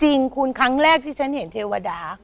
จริงคุณครั้งแรกที่ฉันเห็นเทวดา